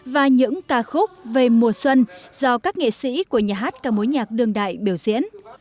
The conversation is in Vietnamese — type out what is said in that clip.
và những ca khúc về mùa xuân do các nghệ sĩ của nhà hát ca mối nhạc đường đại biểu diễn